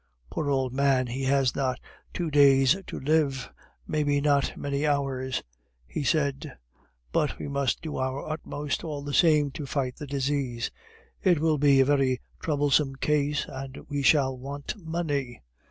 "Poor old man, he has not two days to live, maybe not many hours," he said; "but we must do our utmost, all the same, to fight the disease. It will be a very troublesome case, and we shall want money.